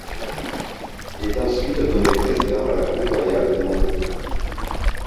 Il est ensuite nommé président à la cour royale de Montpellier.